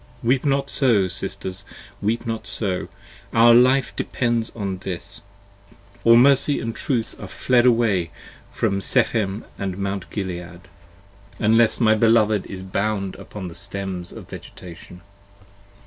Weep not so, Sisters, weep not so: our life depends on this: Or mercy & truth are fled away from Shechem & Mount Gilead, Unless my beloved is bound upon the Stems of Vegetation.